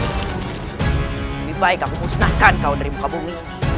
lebih baik aku musnahkan kau dari muka bumi